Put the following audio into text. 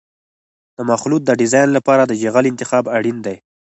د مخلوط د ډیزاین لپاره د جغل انتخاب اړین دی